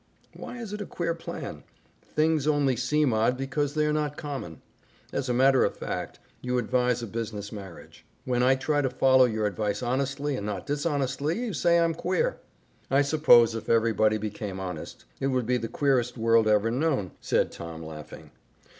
"Why is it a queer plan? Things only seem odd because they are not common. As a matter of fact, you advise a business marriage. When I try to follow your advice honestly and not dishonestly, you say I'm queer." "I suppose if everybody became honest, it would be the queerest world every known," said Tom laughing.